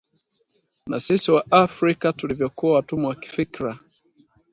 Na sisi Waafrika tulivyokuwa watumwa wa kifikra